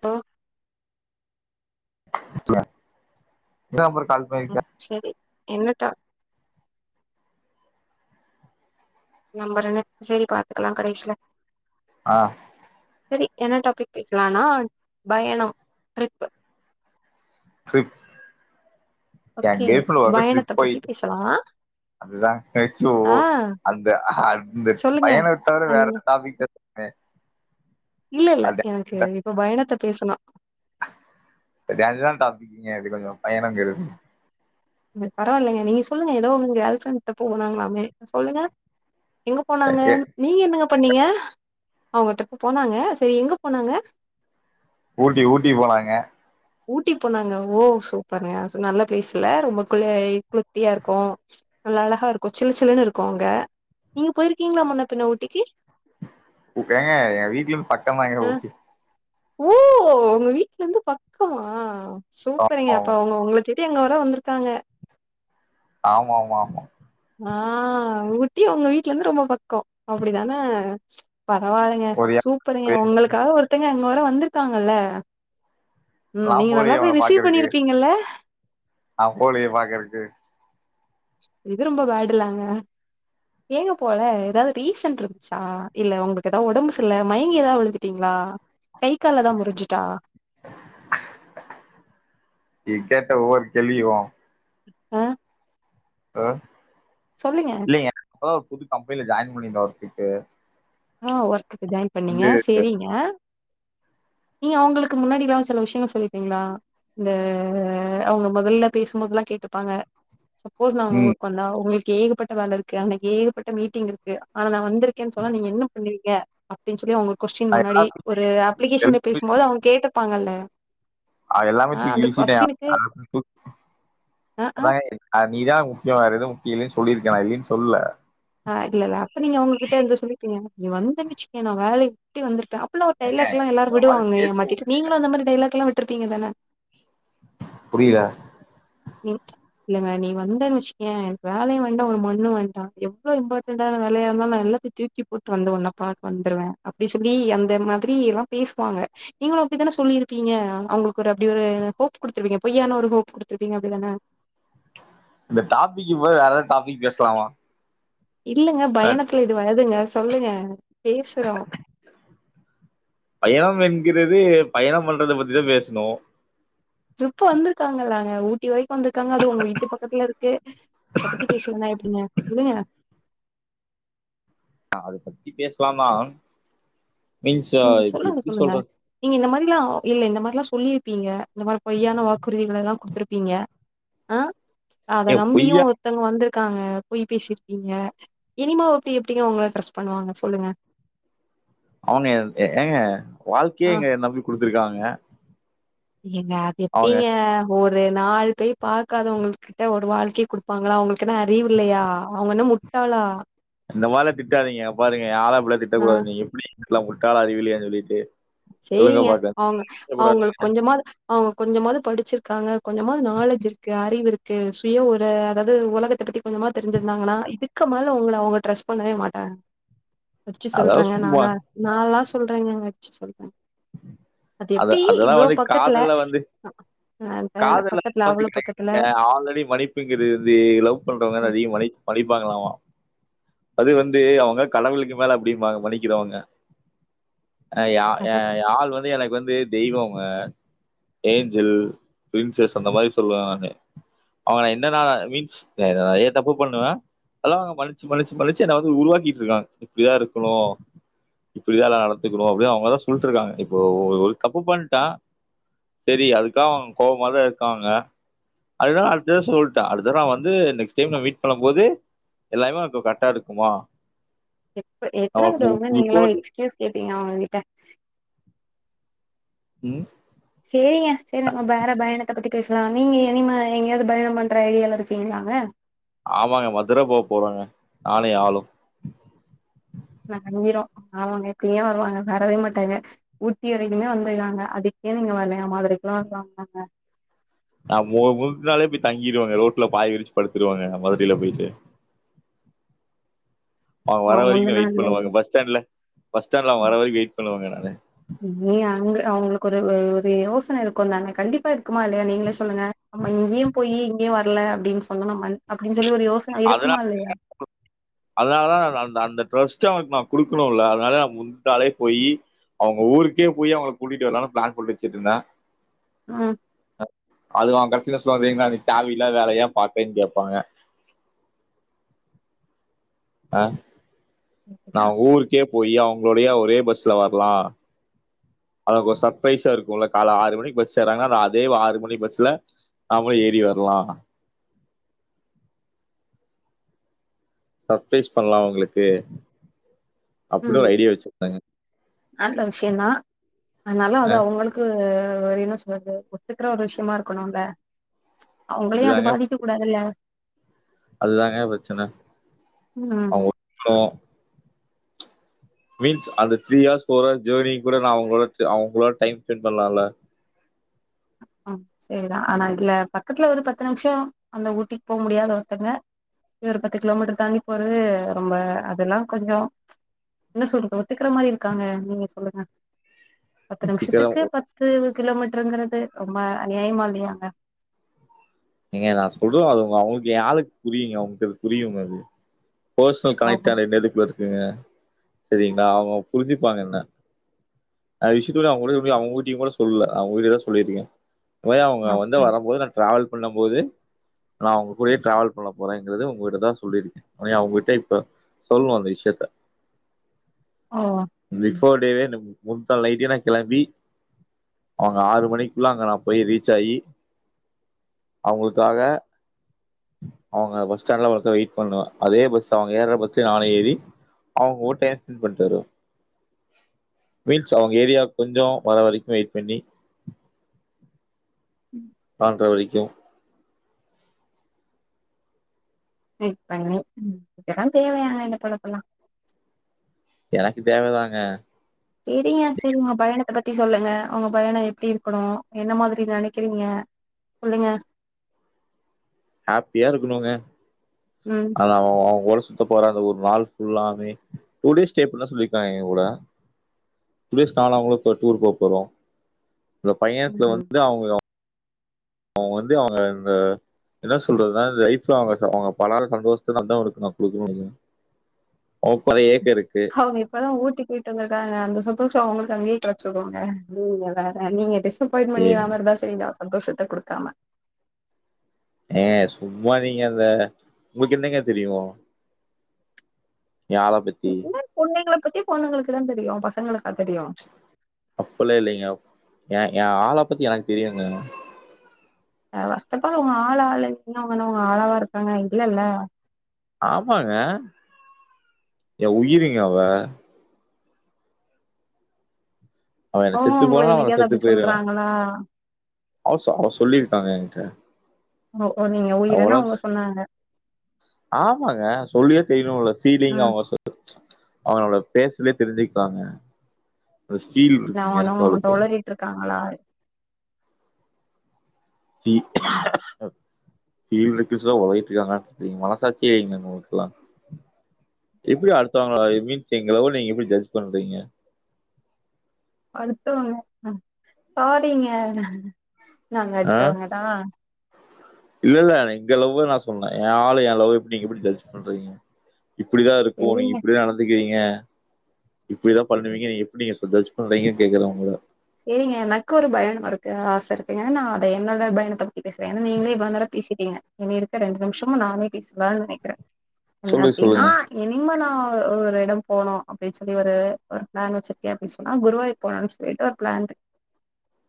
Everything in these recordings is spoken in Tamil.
பா [unintelligible] நா இந்தாபர் [unintelligible] ம் சேரி என்னட்டா நம்பர்ன்னு செரி பாத்துக்கலாம் கடேசிலே ஆஹ் சரி என்ன டாபிக் பேசலானா பயணம் ட்ரிப்பு ட்ரிப் என் ஓகே கேர்ள் ஃபிரெண்ட்டோட ஒரு தடவை ட்ரிப் பயணத்த போயி பத்தி பேசலா அதுதான் சோ ஆ அந்த அந்த சொல்லுங்க பயணத்தை தவிர அந் வேற டாபிக் [unintelligible] இல்லே இல்லேஎனக்கு இப்ப பயணத்தை பேசலாம் அ அதுதான் டாப்பிக்கீங்க அது கொஞ்சம் பயணம்ங்கது பரவாயில்லைங்க நீங்க சொல்லுங்க ஏதோ உங்க கேர்ள் ஃப்ரெண்டிட்ட போகணாங்களாமே சொல்லுங்க எங்க போனாங்க நீங்க என்னங்க பண்ணீங்க அவங்க ட்ரிப்பு போனாங்க சரி எங்கே போனாங்க ஊட்டி ஊட்டி போனாங்க ஊட்டி போனாங்க ஓ சூப்பர்ங்கேஅது நல்ல பிளேஸ்அல்ல ரொம்ப க்குளை [unintelligible] புத்தியா இருக்கும் நல்லா அழகா இருக்கும் சில் சில்லுன்னு இருக்கும் அங்க நீங்க போயிருக்கீங்களா முன்னே பின்ன ஊட்டிக்கு ஏங்க ஏ வீட்லேந் பக்கமாங்க அ ஓகே ஓ உங்க வீட்லேந்து பக்கமா சூப்பருங்க ஆமா அப்பா அவுங்க உங்ககே டி அங்க வர வந்துர்க் காங்க ஆமா ஆமா ஆமா ஆ ஊட்டி அவுங்க வீட்லருந்து ரொம்ப பக் கோ அப்டிதானே பரவால்லைங்க ஒரு சூப்பருங்க உங்களுக்காக ஒருத்தங்க ங்க வர வந்திருக்காங்கல்ல ம் நா நீங்க நல்லா போலியே போய் அவங்க ரிசீவ் பாக்குறக்கு பண்ணிருப்பீங்கல்ல நா போலியே பாக்கறக்கு இது ரொம்ப பேடுல்லாங்க ஏங்க போல ஏதாவ்து ரீசன்ட்ருந்துச்சா இல்ல உங்களுக்கு ஏதாவ்து ஒடம்பு சர்ல்ல மயங்கி ஏதாவ்து விழுதுட்டீங்களா கை கால் எதா முறிஞ்சுட்டா நீ கேட்ட ஒவ்வொரு கெள்வியூ ஆ ஆ சொல்லுங்க இல்லங் இப்பதா ஒரு புது கம்பெனில ஜாயின் [unintelligible] அவ்கிட்டே ஆ ஒர்க்குக்கு ஜாயின் பண்ணீங்க செரீங்க நீங்க அவங்க்ளுக்கு முன்னாடிதா சில விஷ்யங்கள் சொல்லிப்பீங்ளா இந்த அவங்க மொதல்ல பேசும்போதுல்லா கேட்டுப்பாங்க சப்போஸ் நா ஒங்கூர்கொந்தா உங்கள்க் கேகப்பட்ட வேலருக்கு அன்னேக்கு ஏகப்பட்ட மீட்டிங் இருக்கு ஆனா நா வந் துருக்கே சொன்னா நீங்க என்னப் பீங்க அப்டின் சொல்லி அவுங்க கொஸ்டின் முன்னாடி ஒரு அப்ளிகேஷன்ல பேசும்போது அவுங்க கேட்டுப்பாங்கல்ல அதெல்லாமே தூக்கி வீசிட்டே [inaudible] கொஸ்டினுக்கு ஆ ஆ அதாங்க நீ தா முக்கியோ வேறெதுவு இல்லேன் சொல்லியிருக்கேனா இல்லேன் சொல்ல அது எலா ப நீங்க அவங்கக்கிட்ட எந்த சொல்லிப்பீங்க நீ வந்தேன் வச்சிக்க நா வேலய விட்டு வந்திருப்பே அப் ப்புலா ஏங்க டைலாக் லா எல்லாரூ இந்த மாதிரி விடுவாங்க ஏமாத்திட்டு பேசுவோம் நீங்ளூ அந்த மாரி டைலாக் லா விட் ட்ருப்பீங்க தானே புரில இ இல்லங்க நீ வந்தன்னு வச்சுக்கயே வேலையூ வேண்டா ஒரு மண்ணூ வேண்டா எவ்ளோ இம்பார்ட்டன்டான வேலயா இருந்தாலு நா எல்லாத்தையூ தூக்கி போட்டு வந்து உன்ன பாக்க வந்துருவே அப்டி சொல்லி அந்த மாத்ரி எல்லா பேசுவாங்க நீங்களூ அப்டி தானே சொல்லிருப்பீங்க அவங்க்ளுக்கு ஒரு அப்டி ஒரு ஹோப் குடுத்துருப்பீங்க பொய்யான ஒரு ஹோப் குடு த்ருப்பீங்க அப்டிதானே இந்த டாபிக்கு போயி வேற எதா டாபிக் பேசலாமா இல்லங்க பயணத்துல இது வளதுங்க சொல்லுங்க பேசுறோ பயணம் என்கிறது பயணம் பண்றத பத்திதா பேசுனு இப்ப வந்துருக்காங்களாங்க ஊட்டி வரைக் ப்ப வந்துர்க்காங்க அது உங்க வீட்டு பக்கத்துல இருக்கு அத பத்தி பேசலனா எப்டிங்க சொல்லுங்க அ அத பத்தி பேசலா தா ம் சொல்லுங்க சொல்லுங்க நீங்க இந்த மாரிலா இல்ல இந்த மாரிலா சொல்லிருக் ப்பீங்க இந்த மாரி பொய்யான வாக்குறுதிகளெல்லா குடுத்துருப்பீங்க ஆ ஏ அத நம்பியு பொய்யா ஒருத்தவங்க வந்துரு க்காங்க பொய் பேசிருப்பிங்க இனிமா எப்டி எப்டிங்க உங்கள ட்ரஸ்ட் பண்ணுவாங்க சொல்லுங்க [unintelligible] ஏங்க ஆ வாழ்க்கயே எங்க என்ன நம்பி குடுத்துருக்காங்க ஏங்க அது எப்டிங்க ஒரு நாள் பேய் பாக்காதவங்கள்க்கிட்ட ஒரு வாழ்க்கய குடுப்பாங்களா அவங்களுக் கு என்ன அறிவு இல்லயா அவங்கென்னா முட் ட்டாளா இந்த மாரிலா திட்டாதீங்க பாருங்க ஆள இப்புலா ஆ. திட்டக்கூடாது நீங்க எப்டி எல்லா முட்டாளா அறிவில்லையானு சொல்லிட்டு சொல்லுங்க சேரிங்க பாக்க அவங்க திட்டக்கூடாது அவங்ளுக்கு கொஞ்சமாது அவங் கொஞ்சமாவது படிச்சிருக்காங்க கொஞ்சமாது நாலேஜ் இருக்கு அறிவுருக் க்கு சுய ஒரு அதாவது உலகத்த பத்தி கொஞ்சமா தெரிஞ்சிருந்தாங்கன்னா இதுக்கு மேல உங்கள அவுங்க ட்ரஸ்ட் பண்ணவே மாட்டாங்க அடிச்சு அதாவது சொல்றேங்க சும்மா நால நா‌லா சொல்றேங்கங்க அச்சு சொல்றே அது அத எப்டி அதெல்லாம் இவ்ளோ வந்து பக்கத்துல வந்து அ அ காதல்ல பக்கத்துல அவ்ளோ பக்கத்துல [inaudible] ஆல்ரெடி மன்னிப்புங்கிறது வந்து லவ் பண்றவங்க நெறைய மனி மன்னிப்பாங்கலாமா அது வந்து அவுங்க கடவுளுக்கு மேல அப்டிம்பாங்க மன்னிக்குறவங்க ஆ ஏ கட ஏ ஆள் வந்து எனக் வந்து தெய்வோங்க ஏஞ்சல் ப்ரின்சஸ் அந்த மாரி சொல்லுவே நானு ஆனா என்னனா மீன்ஸ் நெறைய தப்பு பண்ணுவே அதெல்லா மன்னிச் மன்னிச்சு மன்னிச்சு என்ன வந்து உருவாக்கிட்டு இருக்காங்க இப்டிதா இருக்கணு இப்டிதா நா நடந்துக்கணு அப்டினு அவுங்கதா சொல்ட்டுருக்காங்க இப்போ ஒரு தப்பு பண்ணிட்டா செரி அதுக்காக அவுங்க கோபமா தா இருக்காங்க அதுதா அடுத்ததே சொல்ட்டே அடுத்தலா வந்து நெக்ஸ்ட் டைம் நா மீட் பண்ணும் போது எல்லாமே கரெக்ட்டா இருக்குமா எப்ப எத்தன அவ- தடவங்க இப்போ நீங்களு வந்து- எக்ஸ்கீயூஸ் கேப்பீங்க அவுங்ககிட்ட ம் செரிங்க சேர் நம்ம பேற பயணத்தப் பத்தி பேஸ்லா நீங்க எனிம எங்யாவ்து பயண பண்ற ஐடியால இருக்கீங்களாங்க ஆமாங்க மதுர போ போறோங்க நானு ஏ ஆளு வெளங்கிரு ஆமாங்க இப்ப ஏ வருவாங்க வரவே மாட்டாங்க ஊட்டி வரக்குமே ஒன் வே தாங்க அதுக்கே நீங்க வரலயாமா மதுரைக்லா [unintelligible] அ மு மூணு நாளே போய் தங்கிருவங்க ரோட்ல பாய் விரிச்சு படுத்துருவங்க மதுரைல போய்ட்டு அவுங்க அ வர வரக்கு முந்த நா வெயிட் நாள்லயே பண்ணுவங்க பஸ் ஸ்டாண்ட்ல பஸ் ஸடாண்ட்ல அவுங்க வர ம். வரக்கு வெய்ட் பண்ணுவங்க நா நீ அங்க அவங்களுக்கு ஒரு ஒரு யோசன இருக்குந்தான கண்டிப்பா இரு க்குமா இல்லயா நீங்களே சொல்லுங்க இங்யு போய் இங்யு வர்ல டின் சொன்ன நம்ம அப்டின் அதனால அதனால தா அந்த அந்த ட்ரஸ்ட் அவுங்ளுக்கு நா குடுக்குணுல அதனால நா முந்தாலே போயி அவுங்க ஊருக்கே போய் அவுங்கள கூட்டிட்டு வரலானு ப்ளான் போட்டு வச்சுட்டுருந்தே ம் அது அவுங் கட் சில [unintelligible] தேவ் இல்லாத வேலய ஏ பாத்தேன் கேப்பாங்க அ நா‌ ஓகேடா. ஊருக்கே போயி அவுங்ளோடய ஒரே பஸ்ல வர்லா அவளுக்கு ஒரு சர்ப்ரைஸா இருக்குல கால ஆறு மணிக்கு பஸ் ஏறாங்கன்னா நா அதே ஆறு மணி பஸ்ல நாம்ளு ஏறி வர்லா சர்ப்ரைஸ் பண்லா அவுங்ளுக்கு ம் நல்ல விஷ்யோ தா ஆனாலு அது ஆ அவுங்களுக்கு என்ன சொல்றது ஒத்துக்கற ஒரு விஷ்யமா இருக்கணுல அவுங்களையு‌ அது இதுதாங்க பாதிக்க கூடாதுல்ல அதுதாங்க ப்ரச்சன ம் அவ்ங்க மீன்ஸ் அந்த த்ரீ யர்ஸ் ஜர்னி கூட நா அவங்களோட அவங்களோட டைம் ஸ்பெண்ட் பண்லால ம் சரிதா ஆனா இதுல பக்கத்துல ஒரு பத்து நிம்ஷோ அந்த ஊட்டிக் போக முடியாத ஒத்தங்க இ ஒரு பத்து கிலோமீட்டர் தாண்டி போறது ரொம்ப அதல்லா கொஞ்சோ என்ன சொல்ற ஒத்துக்ற மாரி இருக்காங்க நீங்க சொல்லுங்க பத்து சீக்கிரம் நிம்ஷத்துக்கு பத்து கிலோமீட்ருங்குறது ரொம்ப அநியாயமா இல்லயாங்க ஏங்க நா சொல்றே அதுங்க அவங்களுக்கு யாருக்கு புரியுங்க அவங்களுக்கு புரியு அது பர்ஸ்னல் கனைட் அவங்க [unintelligible] இரு சரிங்களா அவங்க புரிஞ்சிப்பாங்க என்ன அ விஷ்யத்த அவங்க கூட சொல்லி அவங்க வீட்டையும் கூட சொல்லல அவங்க வீட்ட தா சொல்லியிருக்கே யா அவ்ங்க வந்து ம். வரும்போது நா ட்ராவல் பண்ணம்போது நா அவ்ங்க கூடே ட்ராவல் பண்ண போறங்கறது உங்ககிட்டதா சொல்லியிருக்கே அவங்ககிட்ட இப்ப சொல்லணு அந்த விஷயத்த ஓ ம். ஃபிபோர் டேவே முன தா லைட்டே நா களம்பி அவங்க ஆறு மணிக்குள்ள அங்க நா போய் ரீச் ஆகி அவங்களுக்காக அவ்ங்க பஸ் ஸ்டாண்ட்ல ஒரு வெயிட் பண்ணுவ அதே பஸ் அவுங்க ஏற பஸ்லய நானு ஏறி அவங்க கூட டைம் ஸ்பெண்ட் பண்ணிட்டுவ மீன்ஸ் அவங்க ஏரியா கொஞ்ச வர வரிக்கும் வெயிட் பண்ணி அ தோழி ஃபேக் பண்ணி இதலெல்லா தேவையாங்க இந்த பழக்கல்லாம் எனக்கு தேவதாங்க செரிங்க செரிங்க உங்க பயணத்த பத்தி சொல்லுங்க உங்க பயணம் எப்பிடி இருக்கணும் என்ன மாதிரி நனைக்கிறீங்க சொல்லுங்க ஹாப்பியா இருக்கனுங்க ம் ஆனா அவ ஒரு லூஸ் சுத்த போற அந்த ஒரு நாள் ஃபுல்லா மே டூ டேய்ஸ் ஸ்டே பண்ண சொல்லிருக்காங்க போல குளிர் ஸ்தானத்துக்கு டூர் போக போறோம் அந்த பையணத்துல ம் வந்து அவுங்க அவன் வந்து அவுங்க இந்த என்ன சொல்றதுனா லைஃப்ல அவுங்க பலான சந்தோஷத்த தான் இருக்கு நான் அவனுக்கு குடுக்கனும் அவுங்க இப்பதான் ஊட்டி போயிட்டு வந்திருக்காங்க அந்த புதுசா உங்களுக்காகவே களச்சுடுவாங்க துப்பரியும் பணி ஏ- அவர் தான் செய் சந்தோஷத்த குடுக்காம ஏ சும்மா நீங்க அந்த உங்களுக்கு என்னங்க தெரியும் யார பத்தி இப்பத்திய பொண்ணுங்களுக்கு தான் தெரியும் பசங்களுக்கா தெரியும் அப்பிடில்லாம் இல்லைங்க என் என் ஆள பத்தி எனக்கு தெரியுங்க ஆ பஸ்ட் அப்ப அவுங்க ஆளா ஆளு இன்னும்வங்கன்னா அவுங்க ஆளாவா இருக்காங்க இல்லல்ல ஆமாங்க என் உயிருங்க அவ அவ என்ன அவங்க செத்து உங்கள போன்னா அவள என்னைக்காவது செத்து அப்டி போயிருவேன் சொல்றாங்களா அவச அவ சொல்லிரு ட்டாங்க ஏ கிட்ட ஓ நீங்க அவுங்களா, உயிருன்னு அவங்க சொன்னாங்க ஆமாங்க சொல்லிதா தெரியணு இல்ல சீலிங் ம் அவங்க சொல் அவங்களோட ஃபேஸ்லே தெரிஞ்சிக்கலாங்க அத நா ஒன்னு ஒன்ட்ட ஒளறிட்டு இருக்காங்களா? ஃபீல் ஃபில் இருக்குனு சொன்னா உளறிட்டு இருக்காங்களானு சொல்றீங்க மனசாட்சியே இல்லங்க உங்களுக்குல்லா, எப்படி அடுத்தவங்க லவ்வ ஐ மீன்ஸ் எங்க லவ்வ நீங்க எப்படி ஜட்ஜ் பண்றீங்க அடுத்தவங்க ஸாரிங்க நாங்க ஆ அடுத்தவங்கதா இல்ல இல்ல எங்க லவ்வ நா சொன்ன எ ஆளு எ லவ் எப்டி நீங்க எப்டி ஜட்ஜ் பண்றீங்க இப்டிதா இருக்கு நீங்க செரிங்க இப்டிதா நடந்துக்கிறீங்க அ இப்டிதா பண்ணுவீங்க எப்டி நீங்க ஜட்ஜ் பண்றீங்கனு கேக்கற உங்கள சேரிங்க எனக்கு ஒரு பயணமா இருக்கு ஆச இருக்குங்க, நா அத என்னோட பயணத்த பத்தி பேசுற ஏன்னா நீங்களே இவ்ளோ நேரோ பேசிட்டீங்க இனி இருக்க ரெண்டு நிமிஷமு நானே பேசவானு நினைக்கிற என்ன சொல்லு அப்டின்னா சொல்லுங்க இனிமே நா ஒரு ஒரு இடம் போனு அப்டி சொல்லி ஒரு ஒரு பிளான் வச்சிருக்க அப்டி சொன்னா குருவாயூர் போலானு சொல்லிட்டு பிளான்ட்டு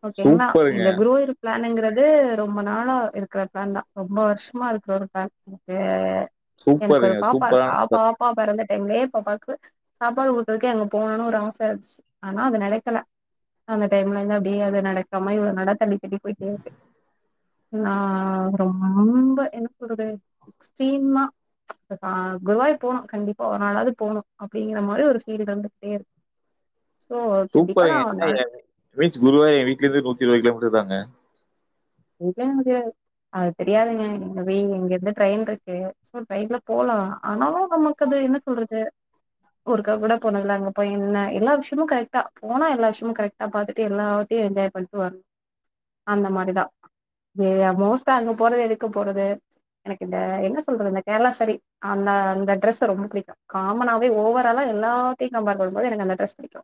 ஓகேங்ளா சூப்பருங்க இந்த குருவாயூர் பிளாங்றது இது ரொம்ப நாளா இருக்கிற பிளான் தா ரொம்ப வருஷமா இருக்குற ஒரு பிளான் த்தே எனக்கு ஒரு சூப்பருங்க பாப்பா இருக்கா சூப்பரான பாப்பா பிறந்திட் டைமுல்லோ பாபாக்கு சாப்பாடு குடுத்ததுக்கே அங்க போனுன்னு ஒரு ஆச இருந்திச்சி ஆனா அது நிலைக்கல அந்த டைம்ல இருந்து அப்டியே அது நடக்காம இவ்ள நடத்தமி இப்டி போய் பேசு நா ரொம்ப என்ன சொல்றது எக்ஸ்ட்ரீம்மா பா குருவாயூர் போனு கண்டிப்பா ஒரு நாளாவது போணு அப்டிங்கிற மாறி ஒரு ஃபீல் இருந்து கிட்டே இருக்கு சோ கண்டீப்பா நா ஒரு நாள் வேச் குருவாய எ வீட்ல இருந்து நூத்தி இருபது கிலோமீட்டர் தாங்க இல்ல அது அது தெரியாதுங்க இந்த வெய் இங்க இருந்து ட்ரெயின் இருக்கு சோ ட்ரெயின்ல போலா ஆனாலு நமக்கு அது என்ன சொல்றது ஒருக்க கூட போனதுல அங்க போய் என்ன எல்லா விஷயமும் கரெக்ட்டா போனா எல்லா விஷயமும் கரெக்ட்டா பாத்துட்டு எல்லாத்தியு என்ஜாய் பண்ட்டு வரணு அந்த மாறிதா ஏயா மோஸ்டா அங்க போறது எதுக்கு போறது எனக்கு இந்த என்ன சொல்றது இந்த கேரளா சரி அந்த அந்த டிரெஸ்சு ரொம்ப பிடிக்கு காமனாவே ஓவராலா எல்லாத்தையு கம்பார் பன்னு போது எனக்கு அந்த டிரெஸ் பிடிக்கு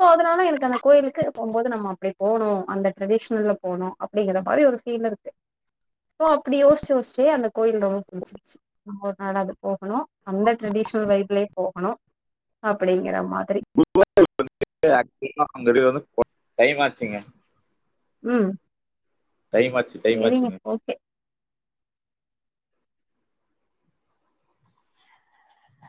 சோ அதனால எனக்கு அந்த கோயிலுக்கு போகும்போது நம்ம அப்டி போனு அந்த ட்ரெடிஷ்னல்ல போனோ அப்டிங்கரோ மாறி ஒரு பீல் இருக்கு ஓ அப்டி யோசிச்சு யோசிச்சே அந்த கோயில் ரொம்ப பிடிச்சிச்சி நம்ம ஒரு நாள் அது போகணு அந்த ட்ரெடிஷ்னல் வைப்ளே போகணு அப்டிங்கற மாற் [unintelligible] [unintelligible] டைமாச்சிங்க உம் டைம் ஆச்சி டைம் ஆச்சிங்க